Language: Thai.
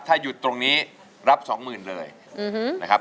ถ้าหยุดตรงนี้รับ๒๐๐๐เลยนะครับ